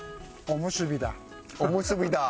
おむすびだ。